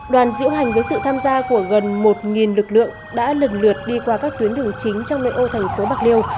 đoàn diễu hành với sự tham gia của gần một lực lượng đã lần lượt đi qua các tuyến đường chính trong nội ô thành phố bạc liêu